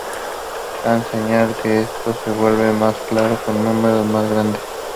Kant señala que esto se vuelve más claro con números más grandes.